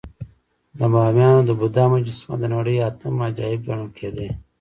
د بامیانو د بودا مجسمې د نړۍ اتم عجایب ګڼل کېدې